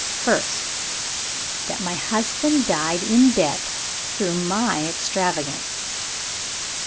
"(First.) That my husband died in debt through my extravagance.